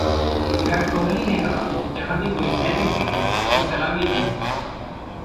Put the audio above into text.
विराट कोहली ने कहा- जहां भी कोई सैनिक दिखे उसे सलामी दें